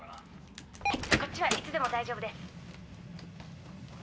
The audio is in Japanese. ☎こっちはいつでも大丈夫です。